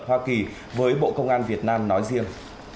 hoa kỳ với bộ công an việt nam nói riêng